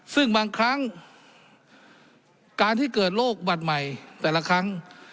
ซึ่งบางครั้งการที่เกิดโรคบัตรใหม่แต่ละครั้ง